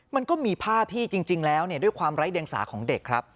มันก็มีภาพที่จริงแล้วด้วยความไร้เดียงสาของเด็กครับ